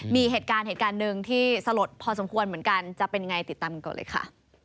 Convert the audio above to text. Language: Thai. มีเหตุการณ์เหตุการณ์หนึ่งที่สลดพอสมควรเหมือนกันจะเป็นยังไงติดตามกันก่อนเลยค่ะ